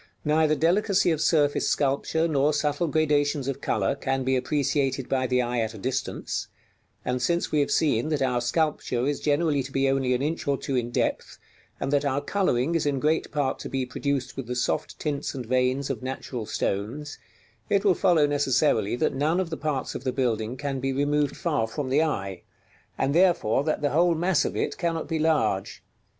Neither delicacy of surface sculpture, nor subtle gradations of color, can be appreciated by the eye at a distance; and since we have seen that our sculpture is generally to be only an inch or two in depth, and that our coloring is in great part to be produced with the soft tints and veins of natural stones, it will follow necessarily that none of the parts of the building can be removed far from the eye, and therefore that the whole mass of it cannot be large.